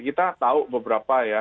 kita tahu beberapa ya